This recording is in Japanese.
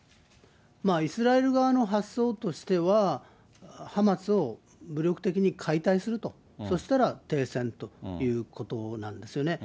まあイスラエル側の発想としては、ハマスを武力的に解体すると、そしたら停戦ということなんですよね。